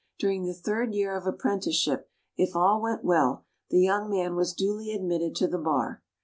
During the third year of apprenticeship, if all went well, the young man was duly admitted to the Bar.